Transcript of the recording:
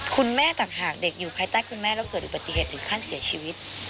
คุณแม่ต่างหากเด็กอยู่ภายใต้คุณแม่แล้วเกิดอุบัติเหตุถึงขั้นเสียชีวิต